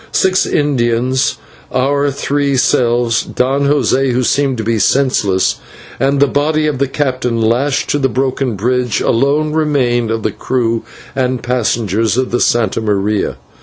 Six Indians, our three selves, Don José, who seemed to be senseless, and the body of the captain lashed to the broken bridge, alone remained of the crew and passengers of the /Santa Maria